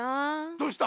どうした？